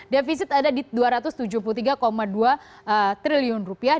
defisit ada di dua ratus tujuh puluh tiga dua triliun rupiah